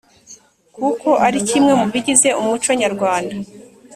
kuko ari kimwe mu bigize umuco nyarwanda